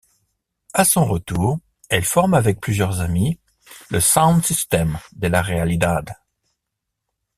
À son retour, elle forme avec plusieurs amis le Sound System de La Realidad.